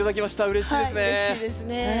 うれしいですね。